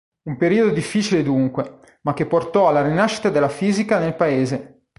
Un periodo difficile dunque, ma che portò alla rinascita della fisica nel paese.